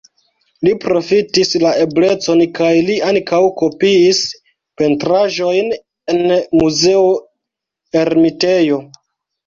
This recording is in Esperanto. Li profitis la eblecon kaj li ankaŭ kopiis pentraĵojn en Muzeo Ermitejo.